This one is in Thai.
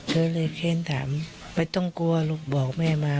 ก็เลยเค้นถามไม่ต้องกลัวลูกบอกแม่มา